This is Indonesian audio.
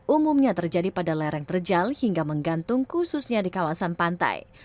umumnya terjadi pada lereng terjal hingga menggantung khususnya di kawasan pantai